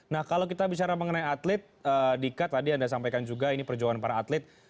nah kalau kita bicara mengenai atlet dika tadi anda sampaikan juga ini perjuangan para atlet